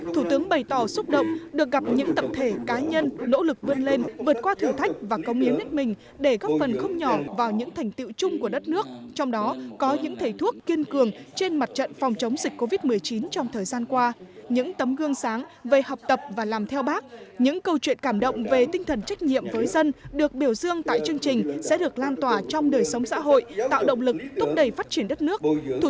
thủ tướng bày tỏ xúc động được gặp những tập thể cá nhân nỗ lực vươn lên vượt qua thử thách và công yếu nét mình để góp phần không nhỏ vào những thành tựu chung của đất nước trong đó có những thầy thuốc kiên cường trên mặt trận phòng chống dịch covid một mươi chín trong thời gian qua những tấm gương sáng về học tập và làm theo bác những câu chuyện cảm động về tinh thần trách nhiệm với dân được biểu dương tại chương trình sẽ được lan tỏa trong đời sống xã hội tạo động lực thúc đẩy phát triển đất nước